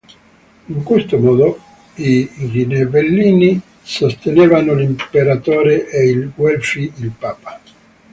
In questo modo i ghibellini sostenevano l'imperatore e i guelfi il papa.